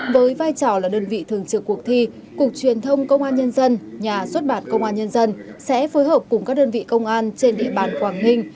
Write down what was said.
với vai trò là đơn vị thường trực cuộc thi cục truyền thông công an nhân dân nhà xuất bản công an nhân dân sẽ phối hợp cùng các đơn vị công an trên địa bàn quảng ninh